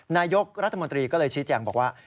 นายกรัฐมนตรีก็เลยชี้แจงบอกว่า